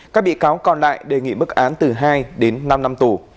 các bị cáo còn lại đề nghị mức án từ hai đến năm năm tù